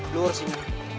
lu harus ingat